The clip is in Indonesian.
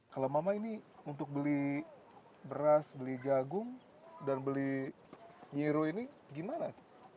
kalau mama ini untuk beli beras beli jagung dan beli nyiru ini gimana